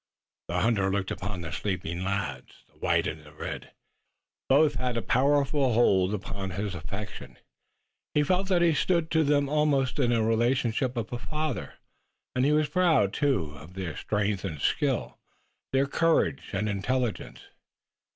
The hunter looked upon the sleeping lads, the white and the red. Both had a powerful hold upon his affection. He felt that he stood to them almost in the relationship of a father, and he was proud, too, of their strength and skill, their courage and intelligence.